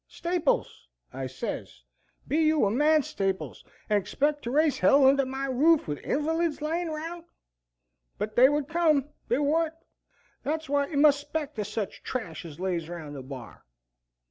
'Staples,' I sez, 'be you a man, Staples, and 'spect to raise h ll under my roof and invalids lyin' round?' But they would come, they would. Thet's wot you must 'spect o' such trash as lays round the Bar."